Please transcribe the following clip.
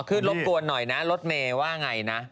อ๋อขึ้นรบกวนหน่อยนะรถเมว่าไงนะ